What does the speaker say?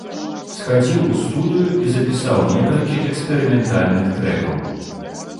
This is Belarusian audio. Схадзіў у студыю і запісаў некалькі эксперыментальных трэкаў.